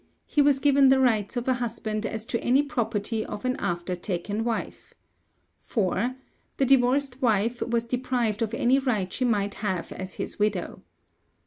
He was given the rights of a husband as to any property of an after taken wife. 4. The divorced wife was deprived of any right she might have as his widow.